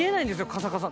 カサカサ。